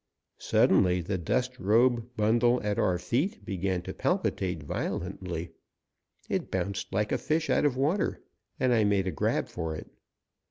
Suddenly the dust robe bundle at our feet began to palpitate violently. It bounced like a fish out of water, and I made a grab for it.